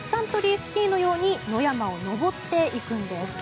スキーのように野山を登っていくんです。